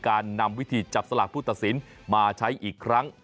การนำวิธีจับสลากผู้ตัดสินมาใช้อีกครั้ง